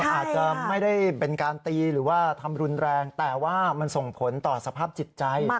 อาจจะไม่ได้เป็นการตีหรือว่าทำรุนแรงแต่ว่ามันส่งผลต่อสภาพจิตใจ